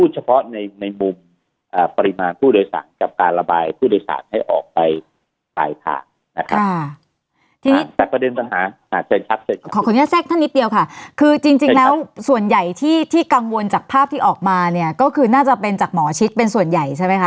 จริงแล้วส่วนใหญ่ที่กังวลจากภาพที่ออกมาเนี่ยก็คือน่าจะเป็นจากหมอชิดเป็นส่วนใหญ่ใช่ไหมคะ